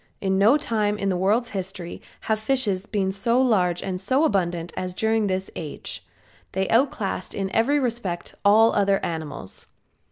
In no time in the world's history have fishes been so large and so abundant as during this age. They outclassed in every respect all other animals.